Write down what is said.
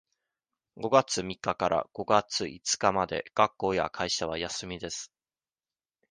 五月三日から五月五日まで学校や会社は休みです。